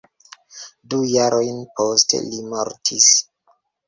Du jarojn poste li mortis.